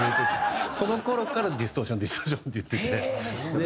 その頃から「ディストーションディストーション」って言ってて。